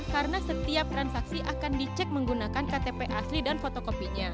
karena setiap transaksi akan dicek menggunakan ktp asli dan fotokopinya